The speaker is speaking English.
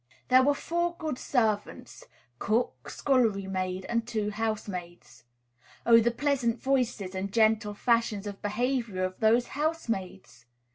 There were four good servants, cook, scullery maid, and two housemaids. Oh, the pleasant voices and gentle fashions of behavior of those housemaids!